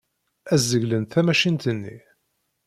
Ad zeglent tamacint-nni.